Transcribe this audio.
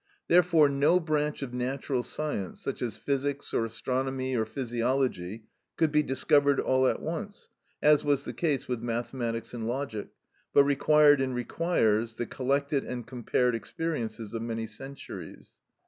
Therefore, no branch of natural science, such as physics, or astronomy, or physiology could be discovered all at once, as was the case with mathematics and logic, but required and requires the collected and compared experiences of many centuries.